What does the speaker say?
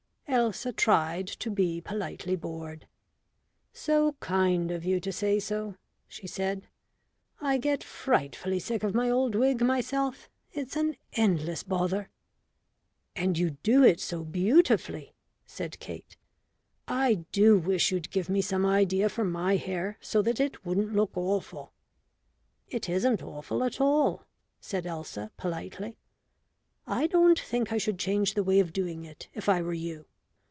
Elsa tried to be politely bored. "So kind of you to say so," she said. "I get frightfully sick of my old wig myself. It's an endless bother." "And you do it so beautifully," said Kate. "I do wish you'd give me some idea for my hair, so that it wouldn't look awful." "It isn't awful at all," said Elsa, politely. "I don't think I should change the way of doing it if I were you."